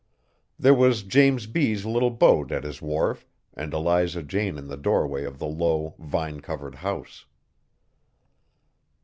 There was James B.'s little boat at his wharf and Eliza Jane in the doorway of the low, vine covered house.